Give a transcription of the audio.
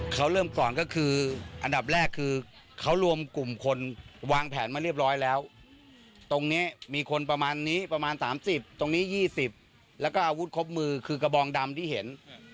คือกระบองดำที่เห็น